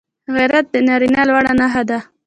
غیرت د نارینه لوړه نښه ده